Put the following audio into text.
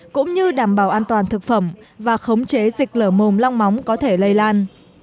cũng như đảm bảo an toàn thực phẩm và khống chế dịch lở mồm long móng có thể lây lan